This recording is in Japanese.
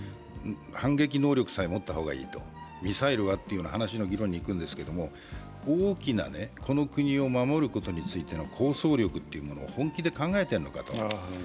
反撃能力さえ持った方がいいと、ミサイルは、という話の理論にいくんですけど大きなこの国を守ることについての構想力を本気で考えているのかと。